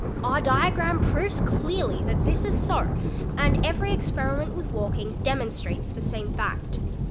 Our diagram proves clearly that this is so and every experiment with walking demonstrates the same fact.